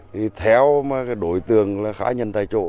thì theo mà cái đổi tường là khá nhân tại chỗ